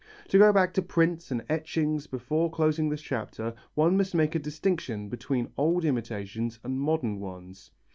To go back to prints and etchings before closing this chapter one must make a distinction between old imitations and modern ones.